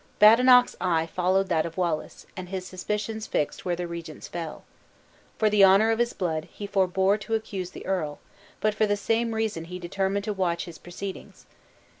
Badenoch's eye followed that of Wallace, and his suspicions fixed where the regent's fell. For the honor of his blood, he forbore to accuse the earl; but for the same reason he determined to watch his proceedings.